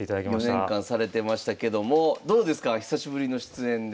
４年間されてましたけどもどうですか久しぶりの出演で。